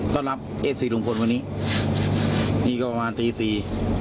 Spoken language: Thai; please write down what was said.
ก็รับเอฟซีลุงพลวันนี้นี่ก็ประมาณตีสี่